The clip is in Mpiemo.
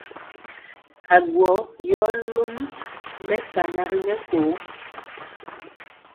Agwɔ yɔ lum mɛkana ri mɛko.